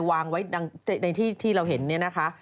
วางไว้ในที่เราเห็นเนี่ยนะคะ